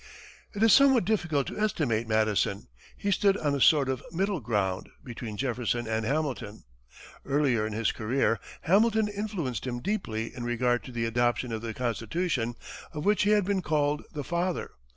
It is somewhat difficult to estimate Madison. He stood on a sort of middle ground between Jefferson and Hamilton. Earlier in his career, Hamilton influenced him deeply in regard to the adoption of the Constitution, of which he has been called the father.